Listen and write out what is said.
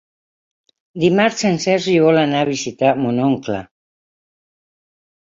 Dimarts en Sergi vol anar a visitar mon oncle.